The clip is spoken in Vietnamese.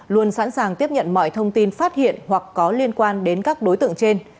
luôn sẵn sàng tiếp nhận mọi thông tin phát hiện hoặc có liên quan đến các đối tượng trên